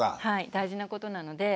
大事なことなので。